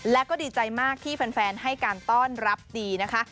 และก็ดีใจมากที่แฟนให้การต้อนรับดีนะคะ